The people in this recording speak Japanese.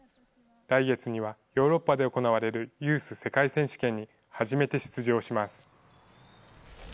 来月にはヨーロッパで行われるユース世界選手権に初めて出場します。